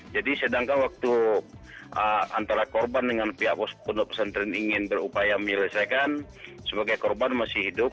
jadi sedangkan waktu antara korban dengan pihak ponpes ingin berupaya menyelesaikan sebagai korban masih hidup